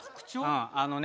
うんあのね